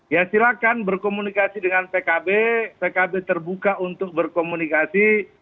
ya silahkan berkomunikasi dengan pkb pkb terbuka untuk berkomunikasi